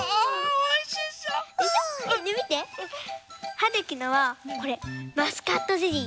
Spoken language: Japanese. はるきのはこれマスカットゼリー。